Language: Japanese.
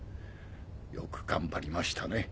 よく頑張りましたね